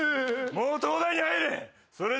もう東大に入れ。